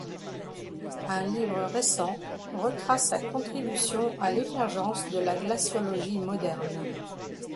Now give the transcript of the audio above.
Un livre récent retrace sa contribution à l'émergence de la glaciologie moderne.